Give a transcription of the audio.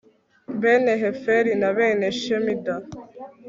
bene heferi na bene shemida